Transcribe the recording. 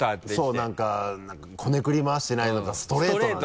そう何かこねくり回してない何かストレートなね。